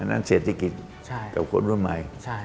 นั่นเศรษฐกิจกับคนรุ่นใหม่